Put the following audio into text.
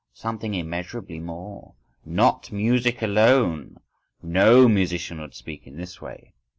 Something immeasurably more!… "Not music alone"—no musician would speak in this way.